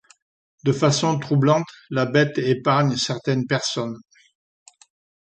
De façon troublante, la Bête épargne certaines personnes.